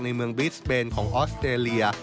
ในเมืองบิสเบนของออสเตรเลีย